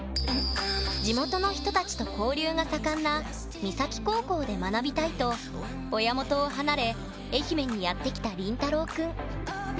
「地元の人たちと交流が盛んな三崎高校で学びたい」と親元を離れ愛媛にやってきたりんたろうくん。